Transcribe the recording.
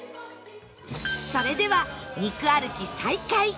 それでは肉歩き再開！